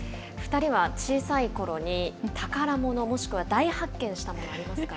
２人は小さいころに宝物、もしくは大発見したもの、あります